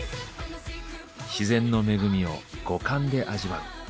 自然の恵みを五感で味わう。